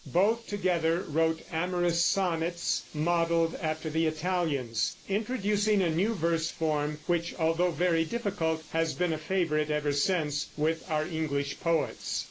Both together wrote amorous sonnets modeled after the Italians, introducing a new verse form which, although very difficult, has been a favorite ever since with our English poets.